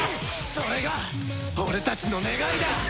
それが俺たちの願いだ！